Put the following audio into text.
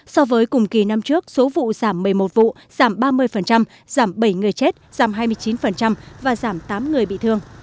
so với cùng kỳ năm trước số vụ giảm một mươi một vụ giảm ba mươi giảm bảy người chết giảm hai mươi chín và giảm tám người bị thương